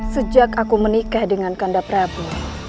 sejak aku menikah dengan kanda prabu